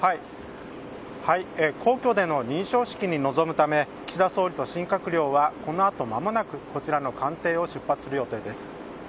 皇居での認証式に臨むため岸田総理と新閣僚はこのあとまもなくこちらの官邸を出発する予定です。